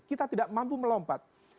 kita tidak mampu melompat